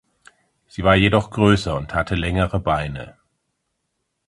Sie war jedoch größer und hatte längere Beine.